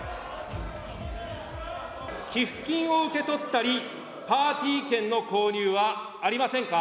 寄付金を受け取ったり、パーティー券の購入はありませんか。